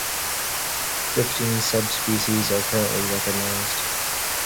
Fifteen subspecies are currently recognised.